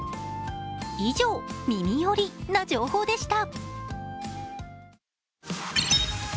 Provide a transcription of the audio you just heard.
以上、耳寄りな情報でした。